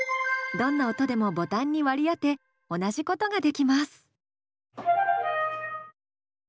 どんな音でもボタンに割り当て同じことができます。